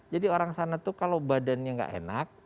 jadi orang sana tuh kalau badannya gak enak